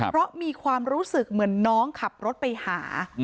เพราะมีความรู้สึกเหมือนน้องขับรถไปหา